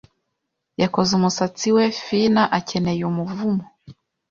Yakoze umusatsi we, finna akeneye Umuvumo